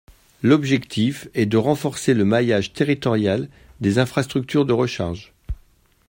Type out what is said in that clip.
L’objectif est de renforcer le maillage territorial des infrastructures de recharge.